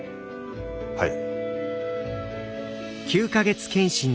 はい。